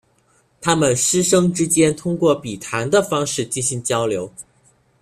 他们师生之间通过笔谈的方式进行交流。